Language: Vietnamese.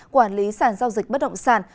quản lý sản giao dịch bất động sản